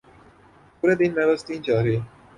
پورے دن میں بس تین چار ہی ۔